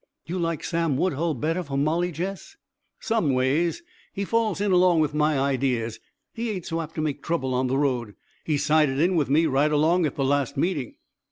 "You like Sam Woodhull better for Molly, Jess?" "Some ways. He falls in along with my ideas. He ain't so apt to make trouble on the road. He sided in with me right along at the last meeting."